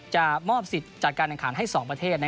มอบสิทธิ์จัดการแข่งขันให้๒ประเทศ